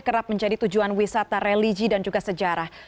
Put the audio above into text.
kerap menjadi tujuan wisata religi dan juga sejarah